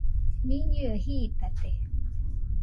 Miñɨe jitate.